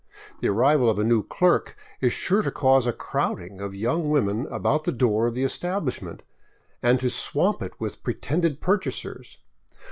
The arrival of a new clerk is sure to cause a crowding of young women about the door of the establishment, and to swamp it with pretended purchasers.